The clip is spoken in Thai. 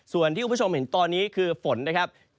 ส่วนที่คุณผู้ชมเห็นตอนนี้คือฝนนะครับ